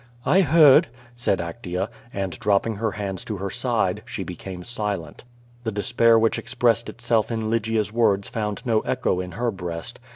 "I heard," said Actea, and, dropping her hands to her side, she became silent. The despair which expressed itself in Lygia's words found no echo in her breast.